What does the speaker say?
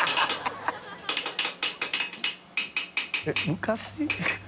昔。